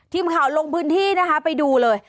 ทีมข่าวลงพื้นที่นะคะไปดูเลย